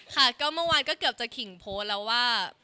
ค่ะก็เมื่อวานก็เกือบจะขิงโพสต์แล้วว่า